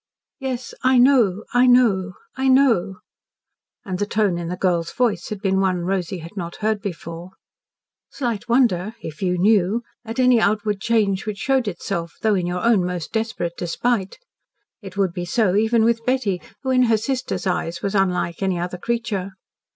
"Yes, I know I know I know!" And the tone in the girl's voice had been one Rosy had not heard before. Slight wonder if you KNEW at any outward change which showed itself, though in your own most desperate despite. It would be so even with Betty, who, in her sister's eyes, was unlike any other creature.